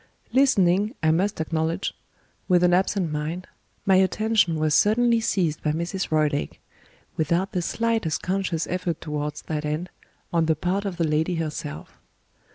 Listening, I must acknowledge, with an absent mind, my attention was suddenly seized by Mrs. Roylake without the slightest conscious effort towards that end, on the part of the lady herself.